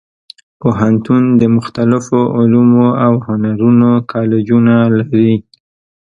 پوهنتون د مختلفو علومو او هنرونو کالجونه لري.